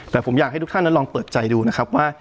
แต่ผมอยากให้ทุกท่านนั้นลองเปิดใจดูนะครับว่า